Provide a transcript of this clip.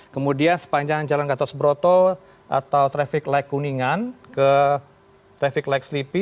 kemudian sepanjang jalan gatot broto atau traffic light kuningan ke traffic light sleepy